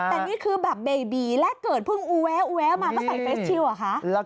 แต่นี่คือแบบเบบีและเกิดเพิ่งอูแวะอูแวะมาก็ใส่เฟสชิลเหรอคะ